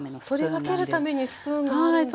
取り分けるためにスプーンがあるんですね。